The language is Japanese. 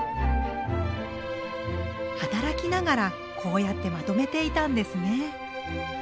働きながらこうやってまとめていたんですね。